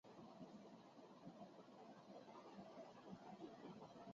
এখানে প্রতিটি বিষয়ে পাঠদানের জন্য শিক্ষক আছে।